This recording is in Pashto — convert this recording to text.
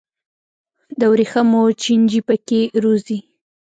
د ورېښمو چینجي پکې روزي.